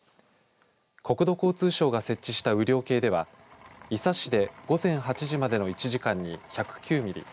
国土交通省が設置した雨量計では伊佐市で午前８時までの１時間に１０９ミリ